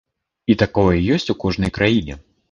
І такое ёсць у кожнай краіне.